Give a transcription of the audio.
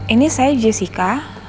ini saya jessica